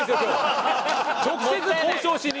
直接交渉しに。